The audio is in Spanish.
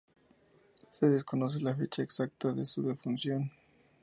Se desconoce la fecha exacta de su defunción.